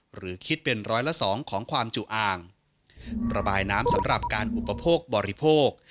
หรือคิดเป็นร้อยละสองของความจุอ่างระบายน้ำสำหรับการอุปโภคบริโภค